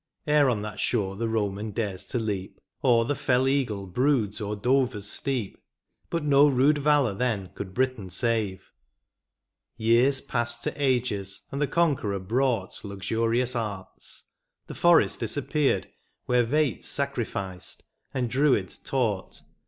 Ere on that shore the Boman dares to leap, Or the fell eagle broods o er Dover's steep. But no rude valour then could Britain save. Years passed to ages, and the conqueror brought Luxurious arts — the forest disappeared Where Vates sacrificed, and Druids taught.